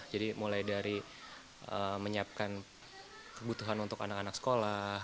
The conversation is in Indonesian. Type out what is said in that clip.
jadi mulai dari menyiapkan kebutuhan untuk anak anak sekolah